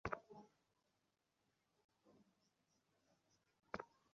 আপনে তো চ্যালচ্যালাইয়া বেহেশতে যাইবেন।